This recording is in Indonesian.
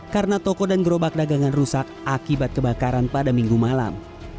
karena toko dan gerobak dagangan rusak akibat kebakaran pada minggu malam